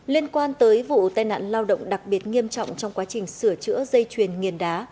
liên quan tới vụ tai nạn lao động đặc biệt nghiêm trọng trong quá trình sửa chữa dây chuyền nghiền đá